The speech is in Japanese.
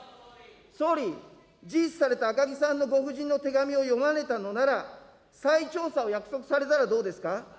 総理、自死された赤木さんのご夫人の手紙を読まれたのなら、再調査を約束されたらどうですか。